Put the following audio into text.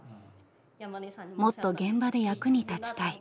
もっと現場で役に立ちたい。